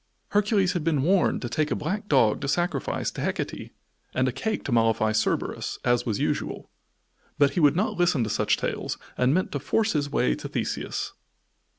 Hercules had been warned to take a black dog to sacrifice to Hecate and a cake to mollify Cerberus, as was usual; but he would not listen to such tales and meant to force his way to Theseus.